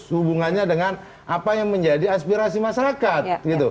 hubungannya dengan apa yang menjadi aspirasi masyarakat